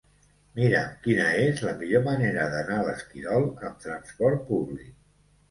Mira'm quina és la millor manera d'anar a l'Esquirol amb trasport públic.